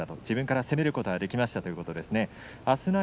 自分から攻めることができましたということです。